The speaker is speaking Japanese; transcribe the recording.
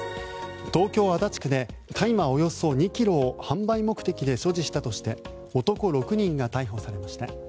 東京・足立区で大麻およそ２ｋｇを販売目的で所持したとして男６人が逮捕されました。